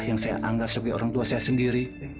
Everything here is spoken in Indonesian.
yang saya anggap sebagai orang tua saya sendiri